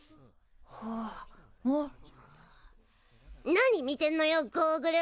何見てんのよゴーグル。